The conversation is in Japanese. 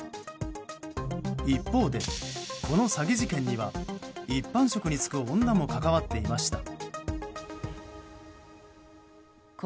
一方でこの詐欺事件には一般職に就く女も関わっていました。